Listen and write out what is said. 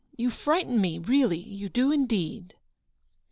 You frighten me, really; you do indeed."